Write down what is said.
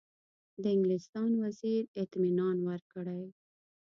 د انګلستان وزیر اطمینان ورکړی.